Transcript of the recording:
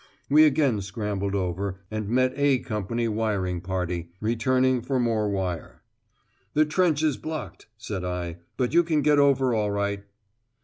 We again scrambled over, and met "A" Company wiring party, returning for more wire. "The trench is blocked," said I, "but you can get over all right."